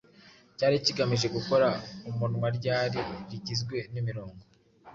cyari kigamije gukora umunwaRyari rigizwe n'imirongo